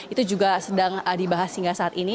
itu juga sedang dibahas hingga saat ini